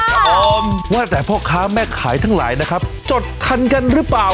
ครับผมว่าแต่พ่อค้าแม่ขายทั้งหลายนะครับจดทันกันหรือเปล่า